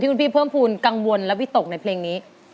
คุณพี่เพิ่มภูมิกังวลและวิตกในเพลงนี้